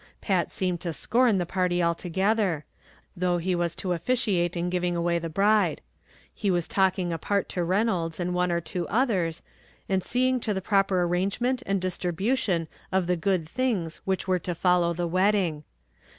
Pat seemed to scorn the party altogether, though he was to officiate in giving away the bride; he was talking apart to Reynolds and one or two others, and seeing to the proper arrangement and distribution of the good things which were to follow the wedding.